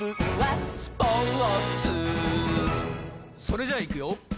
それじゃいくよ